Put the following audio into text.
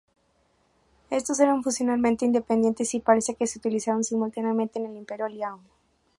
Estos eran funcionalmente independientes y parece que se utilizaron simultáneamente en el Imperio Liao.